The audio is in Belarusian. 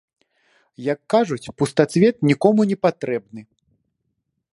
Як кажуць, пустацвет нікому не патрэбны.